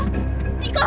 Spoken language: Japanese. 行こう！